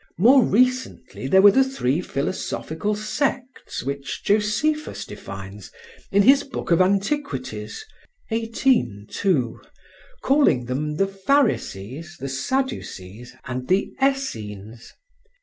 More recently there were the three philosophical sects which Josephus defines in his Book of Antiquities (xviii, 2), calling them the Pharisees, the Sadducees and the Essenes.